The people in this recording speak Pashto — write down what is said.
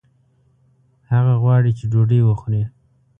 هغه غواړي چې ډوډۍ وخوړي